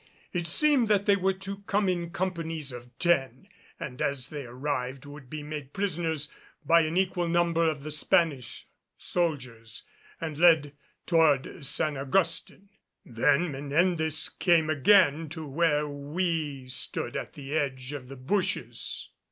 It seemed that they were to come in companies of ten and, as they arrived, would be made prisoners by an equal number of the Spanish soldiers and led toward San Augustin. Then Menendez came again to where we stood at the edge of the bushes.